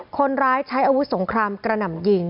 คนร้ายใช้อาวุธสงครามกระหน่ำยิง